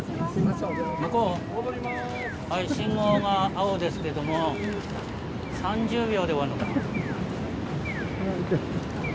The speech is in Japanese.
・信号が青ですけども３０秒で終わんのかな。